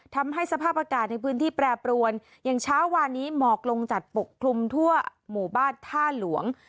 ทำให้สภาพอากาศในพื้นที่แปรปรวนอย่างเช้าวานนี้หมอกลงจัดปกคลุมทั่วหมู่บ้านท่าหลวง